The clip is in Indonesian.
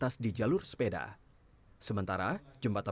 saya kurang setuju sih